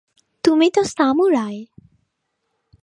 তুমি তো সামুরাই!